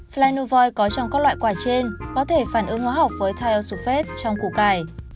fly novoid có trong các loại quả trên có thể phản ứng hóa học với thaiosulfate trong củ cải